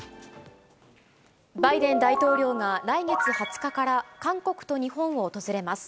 バイデン大統領が来月２０日から、韓国と日本を訪れます。